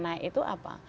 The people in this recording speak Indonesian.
nah itu apa